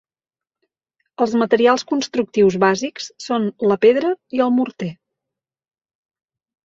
Els materials constructius bàsics són la pedra i el morter.